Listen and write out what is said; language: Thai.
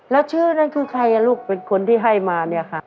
แล้วชื่อนั้นคือใครลูกเป็นคนที่ให้มาเนี่ยค่ะ